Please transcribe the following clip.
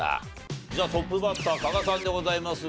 じゃあトップバッター加賀さんでございますがね。